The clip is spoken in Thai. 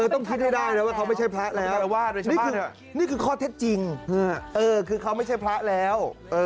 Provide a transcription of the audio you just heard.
ต้องคิดให้ได้นะว่าเขาไม่ใช่พระแล้วใช่ไหมนี่คือข้อเท็จจริงคือเขาไม่ใช่พระแล้ว